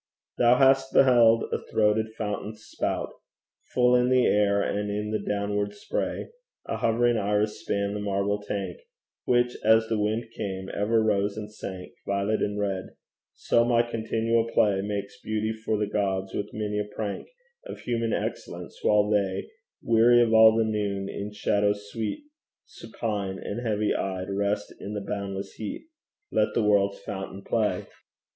Thou hast beheld a throated fountain spout Full in the air, and in the downward spray A hovering Iris span the marble tank, Which as the wind came, ever rose and sank Violet and red; so my continual play Makes beauty for the Gods with many a prank Of human excellence, while they, Weary of all the noon, in shadows sweet Supine and heavy eyed rest in the boundless heat: Let the world's fountain play!